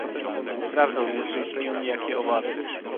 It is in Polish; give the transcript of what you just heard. Prawdą jest, że istnieją niejakie obawy